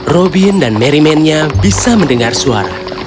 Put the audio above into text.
robin dan mary mennya bisa mendengar suara